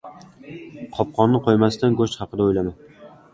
• Qopqonni qo‘ymasdan go‘sht haqida o‘ylama.